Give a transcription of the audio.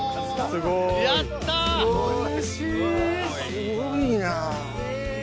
すごいな。